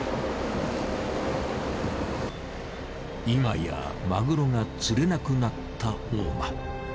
いまやマグロが釣れなくなった大間。